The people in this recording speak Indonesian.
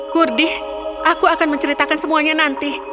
kurdi aku akan menceritakan semuanya nanti